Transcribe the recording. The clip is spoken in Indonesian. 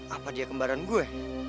apa dia kembaran gue